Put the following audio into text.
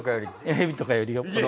ヘビとかよりよっぽど。